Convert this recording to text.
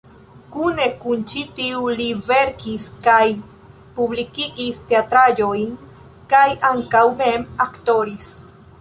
Kune kun ĉi tiu li verkis kaj publikigis teatraĵojn kaj ankaŭ mem aktoris.